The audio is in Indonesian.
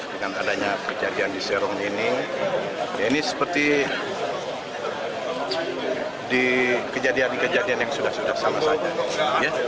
dengan adanya kejadian di serong ini ini seperti di kejadian kejadian yang sudah sudah sama saja